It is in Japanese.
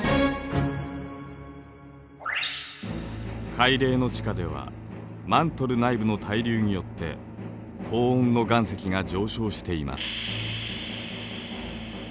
海嶺の地下ではマントル内部の対流によって高温の岩石が上昇しています。